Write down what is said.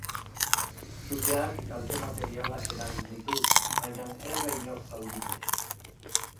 Suteak kalte materialak eragin ditu, baina ez da inor zauritu.